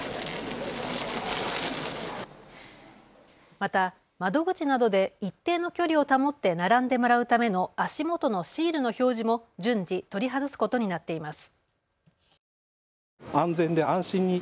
また窓口などで一定の距離を保って並んでもらうための足元のシールの表示も順次、取り外すことになっています。